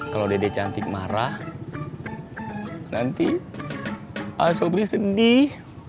kalau dede cantik marah nanti sobri sedih